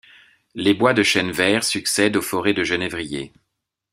Les bois de chênes verts succèdent aux forêts de genévriers.